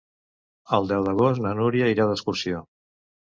El deu d'agost na Núria irà d'excursió.